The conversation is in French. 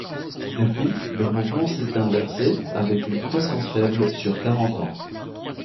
Depuis, le mouvement s'est inversé, avec une croissance faible sur quarante ans.